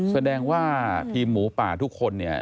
แสดงว่าทีมหมูป่าทุกคนเนี่ย